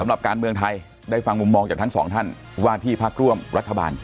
สำหรับการเมืองไทยได้ฟังมุมมองจากทั้งสองท่านว่าที่พักร่วมรัฐบาล